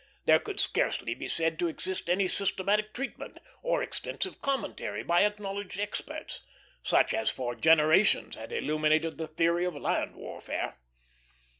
There could scarcely be said to exist any systematic treatment, or extensive commentary by acknowledged experts, such as for generations had illuminated the theory of land warfare.